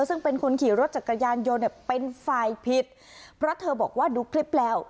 ซึ่งเป็นคนขี่รถจักรยานยนต์เนี่ยเป็นฝ่ายผิดเพราะเธอบอกว่าดูคลิปแล้ว